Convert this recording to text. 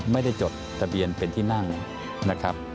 ไม่ได้จดทะเบียนเป็นที่นั่งนะครับ